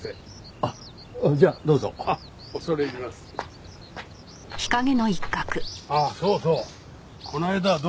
ああそうそう